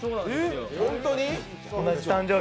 本当に？